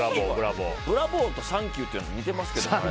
ブラボー！とサンキューって似てますけどね。